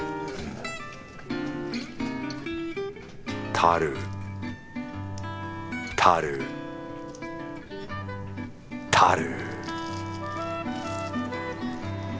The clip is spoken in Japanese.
タルタルタル